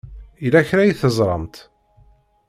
Yella kra i teẓṛamt?